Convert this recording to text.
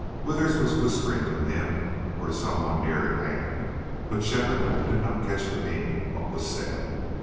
Withers was whispering to him or to some one near at hand, but Shefford did not catch the meaning of what was said.